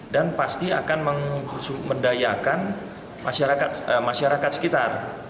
dan pasti akan mendayakan masyarakat sekitar